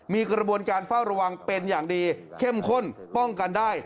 มีกระบวนการเฝ้าระวังเป็นอย่างดีเข้มข้นป้องกันได้